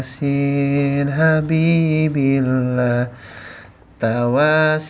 keren banget mas